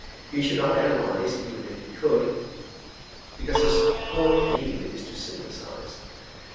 He should not analyze even if he could, because his whole aim is to synthesize.